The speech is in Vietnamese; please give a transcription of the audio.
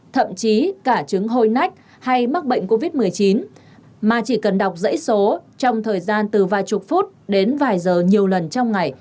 thậm chí cả chứng hôi nách hay mắc bệnh covid một mươi chín mà chỉ cần đọc giấy số trong thời gian từ vài chục phút đến vài giờ nhiều lần trong ngày